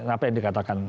apa yang dikatakan